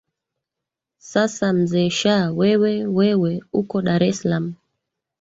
sasa mzee shaa wewe wewe uko dar es salam